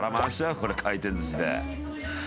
これ回転寿司で。